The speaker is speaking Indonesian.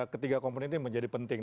ketiga komponen ini menjadi penting